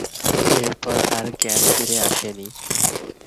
এরপর আর জ্ঞান ফিরে আসেনি।